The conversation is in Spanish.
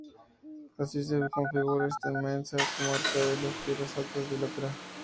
Así se configura esta inmensa comarca de las Tierras Altas de Lorca.